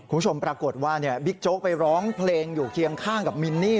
คุณผู้ชมปรากฏว่าบิ๊กโจ๊กไปร้องเพลงอยู่เคียงข้างกับมินนี่